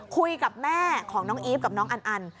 คุยกับแม่ของน้องอีฟกับน้องอันอัน